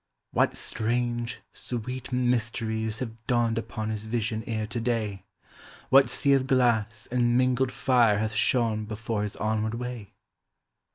What strange, sweet mysteries Have dawned upon his vision ere to day? What sea of glass and mingled fire hath shone Before his onward way?